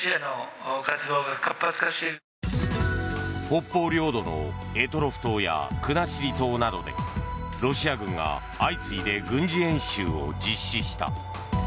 北方領土の択捉島や国後島などでロシア軍が相次いで軍事演習を実施した。